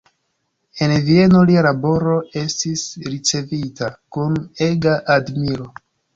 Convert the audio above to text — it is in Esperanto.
En Vieno lia laboro estis ricevita kun ega admiro.